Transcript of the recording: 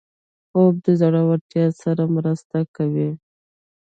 خوب د زړورتیا سره مرسته کوي